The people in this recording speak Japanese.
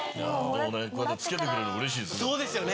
こうやって着けてくれるのうれしいですね。